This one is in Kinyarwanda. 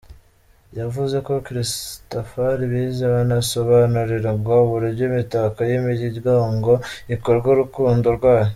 Yavuze ko Christafari bize banasobanurirwa uburyo imitako y’imigongo ikorwa, urukundo rwayo